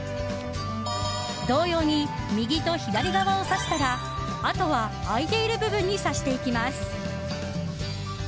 同様に右と左側を挿したらあとは空いている部分に挿していきます。